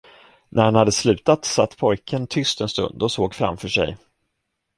När han hade slutat, satt pojken tyst en stund och såg framför sig.